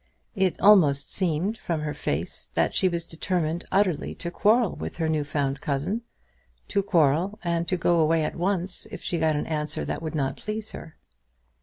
It almost seemed, from her face, that she was determined utterly to quarrel with her new found cousin, to quarrel and to go at once away if she got an answer that would not please her.